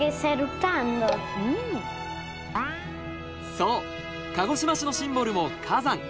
そう鹿児島市のシンボルも火山。